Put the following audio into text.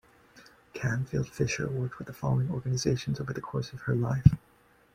Canfield Fisher worked with the following organizations over the course of her life.